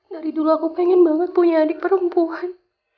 dari dulu aku pengen banget punya adik perempuan